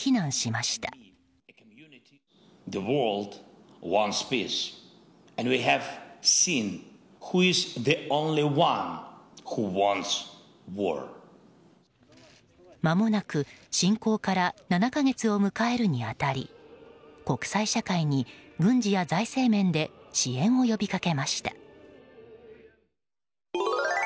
まもなく侵攻から７か月を迎えるにあたり国際社会に、軍事や財政面で支援を呼びかけました。